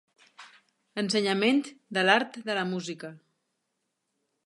Ensenyament de l'art de la música.